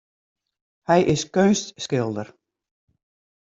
Hy is keunstskilder.